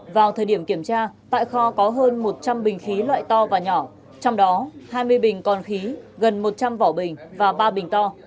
vào thời điểm kiểm tra tại kho có hơn một trăm linh bình khí loại to và nhỏ trong đó hai mươi bình còn khí gần một trăm linh vỏ bình và ba bình to